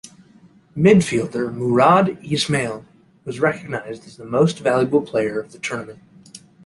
Midfielder Murad Ismail was recognized as the Most Valuable Player of the tournament.